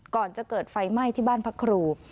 ก่อนจะเกิดไฟไหม้ที่บ้านพักครู